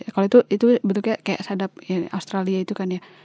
kalau itu bentuknya kayak sehadap australia itu kan ya